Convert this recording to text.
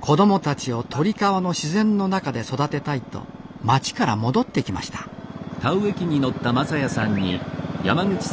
子どもたちを鳥川の自然の中で育てたいと街から戻ってきましたそれで植え付け。